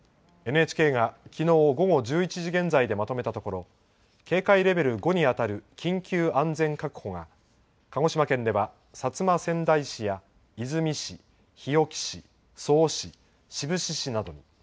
ＮＨＫがきのう午後１１時現在でまとめたところ、警戒レベル５にあたる緊急安全確保が鹿児島県では薩摩川内市や出水市、日置市、曽於市、志布志市などに。